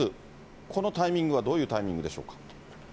このタイミングはどういうタイミングでしょうか。